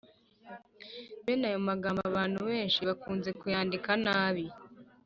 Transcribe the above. Bene ayo magambo abantu benshi bakunze kuyandika nabi